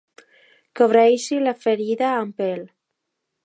Cobreixi la ferida amb pell.